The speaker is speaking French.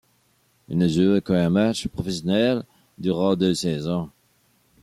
Il ne joue aucun match professionnel durant deux saisons.